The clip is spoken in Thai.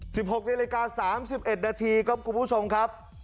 สิบหกในรายการสามสิบเอ็ดนาทีขอบคุณผู้ชมครับ